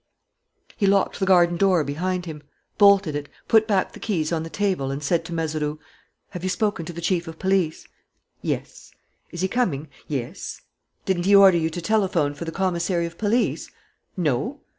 He locked the garden door behind him, bolted it, put back the keys on the table and said to Mazeroux: "Have you spoken to the Chief of Police?" "Yes." "Is he coming?" "Yes." "Didn't he order you to telephone for the commissary of police?" "No."